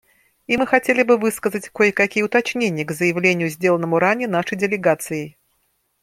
И мы хотели бы высказать кое-какие уточнения к заявлению, сделанному ранее нашей делегацией.